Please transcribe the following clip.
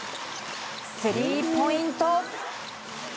スリーポイント！